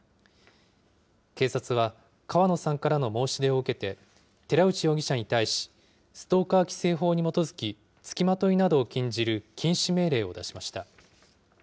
警察は、川野さんからの申し出を受けて、寺内容疑者に対し、ストーカー規制法に基づき、つきまといなどを禁じる禁止命令を出しました。